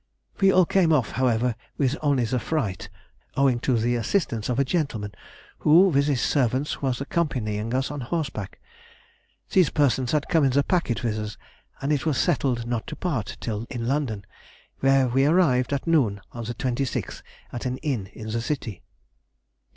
We all came off however, with only the fright, owing to the assistance of a gentleman who, with his servant, was accompanying us on horseback. These persons had come in the packet with us, and it was settled not to part till in London, where we arrived at noon on the 26th at an inn in the City.